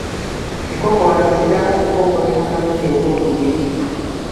Enkoko wano ziddamu okukookolima omulundi ogw'okubiri.